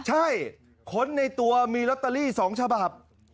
ใช่ค้นในตัวมีลอตเตอรี่๒ฉบับ